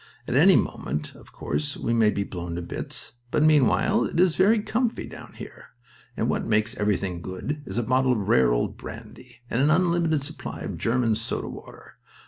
"At any moment, of course, we may be blown to bits, but meanwhile it is very comfy down here, and what makes everything good is a bottle of rare old brandy and an unlimited supply of German soda water.